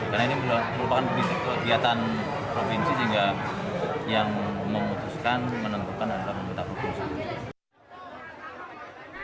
karena ini merupakan kegiatan provinsi yang memutuskan menentukan adalah pemerintah pemerintah